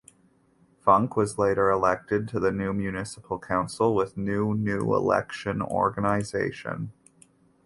Funke was later elected to the municipal council with new new election organization.